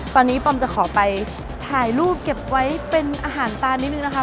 ตอนนี้ปอมจะขอไปถ่ายรูปเก็บไว้เป็นอาหารตาลนิดนึงนะคะ